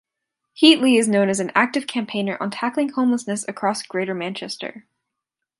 Heatley is known as an active campaigner on tackling homelessness across Greater Manchester.